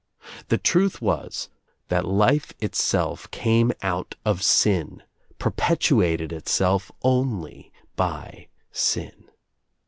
The truth was that life itself came out of sin, perpetuated itself only by sin.